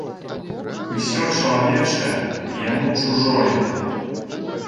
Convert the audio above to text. Усё чалавечае яму чужое.